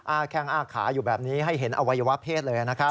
แข้งอ้าขาอยู่แบบนี้ให้เห็นอวัยวะเพศเลยนะครับ